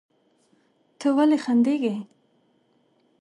ته ولې خندېږې؟